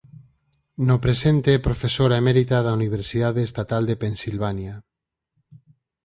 No presente é profesora emérita da Universidade Estatal de Pensilvania.